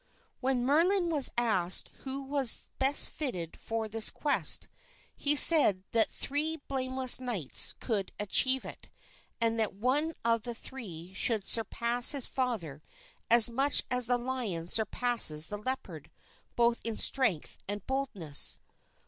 When Merlin was asked who was best fitted for this quest, he said that three blameless knights should achieve it; and that one of the three should surpass his father as much as the lion surpasses the leopard, both in strength and boldness.